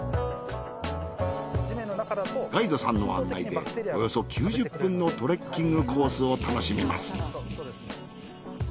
ガイドさんの案内でおよそ９０分のトレッキングコースを楽しみます。